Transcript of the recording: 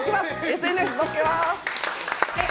ＳＮＳ載っけます。